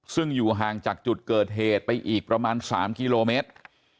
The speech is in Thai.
ซึ่งอยู่ห่างจากจุดเกิดเหตุไปอีกประมาณ๓กิโลเมตร